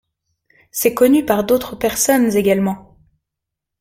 C’est connu par d’autres personnes également.